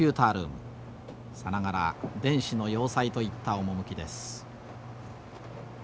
さながら電子の要塞といった趣です。